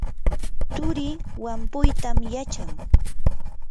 turii wampuytam yachan.